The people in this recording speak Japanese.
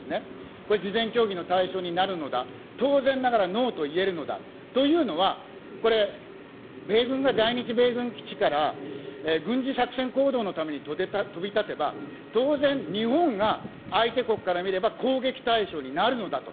これ、事前協議の対象になるのだ、当然ながらノーと言えるのだ、というのは、これ、米軍が在日米軍基地から軍事作戦行動のために飛び立てば、当然、日本が相手国から見れば攻撃対象になるのだと。